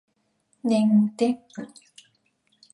寧德